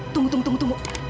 tunggu tunggu tunggu